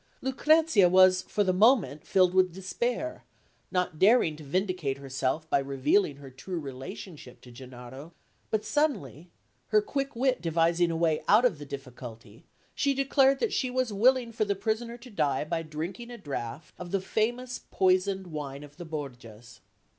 Lucrezia was for the moment filled with despair, not daring to vindicate herself by revealing her true relationship to Gennaro; but, suddenly, her quick wit devising a way out of the difficulty, she declared that she was willing for the prisoner to die by drinking a draught of the famous poisoned wine of the Borgias.